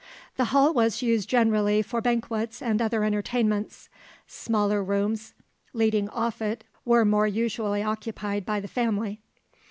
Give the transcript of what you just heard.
The hall was used generally for banquets and other entertainments; smaller rooms leading off it were more usually occupied by the family.